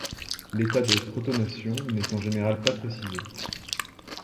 L'état de protonation n'est en général pas précisé.